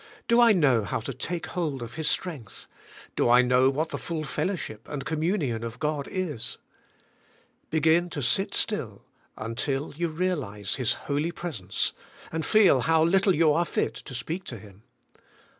Do I know how to take hold of His strength? Do I know what the full fellowship and communion of God is? Begin to sit still until you realize His holy presence, and feel how little you are fit to speak to Him.